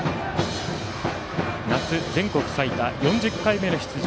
夏全国最多４０回目の出場。